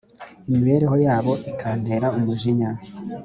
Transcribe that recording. imibereho yabo ikantera umujinya: